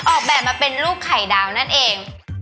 ออกแบบมาเป็นลูกไข่ดาวนั่นเอง